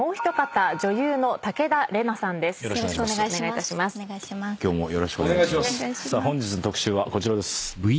さあ本日の特集はこちらです。